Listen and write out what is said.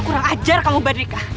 kurang ajar kamu mbak rika